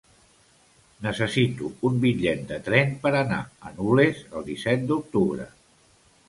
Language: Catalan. Necessito un bitllet de tren per anar a Nules el disset d'octubre.